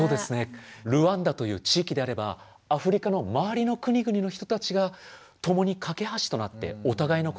ルワンダという地域であればアフリカの周りの国々の人たちが共に懸け橋となってお互いの声をつなげていった。